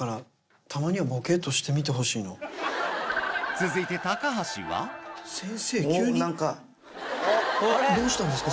続いてどうしたんですか？